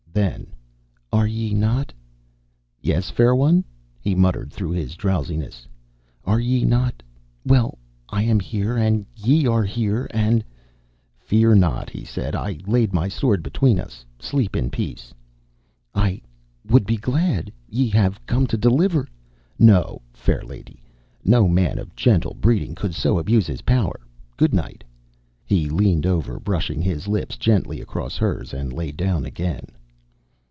Then: "Are ye not " "Yes, fair one?" he muttered through his drowsiness. "Are ye not ... well, I am here and ye are here and " "Fear not," he said. "I laid my sword between us. Sleep in peace." "I ... would be glad ye have come to deliver " "No, fair lady. No man of gentle breeding could so abuse his power. Goodnight." He leaned over, brushing his lips gently across hers, and lay down again.